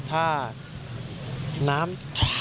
ถ้าน้ำ